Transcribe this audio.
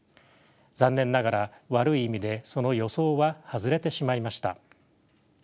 残念ながら悪い意味でその予想は外れてしまいました。